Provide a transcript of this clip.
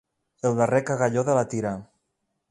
El darrer cagalló de la tira.